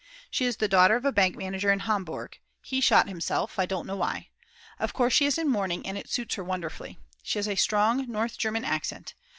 She is the daughter of a bank manager in Hamburg; he shot himself, I don't know why. Of course she is in mourning and it suits her wonderfully. She has a strong North German accent.